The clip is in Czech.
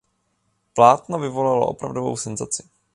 Plátno vyvolalo opravdovou senzaci.